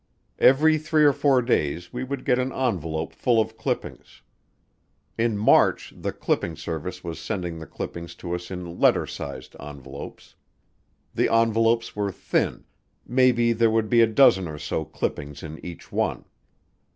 Every three or four days we would get an envelope full of clippings. In March the clipping service was sending the clippings to us in letter sized envelopes. The envelopes were thin maybe there would be a dozen or so clippings in each one.